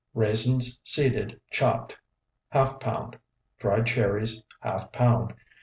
Raisins, seeded, chopped, ½ pound. Dried cherries, ½ pound.